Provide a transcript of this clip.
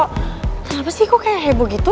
kenapa sih kok kayak heboh gitu